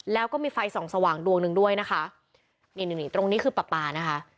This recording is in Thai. แล้วก็มีไฟส่องสว่างดวงหนึ่งด้วยนะคะนี่นี่ตรงนี้คือปลาปลานะคะ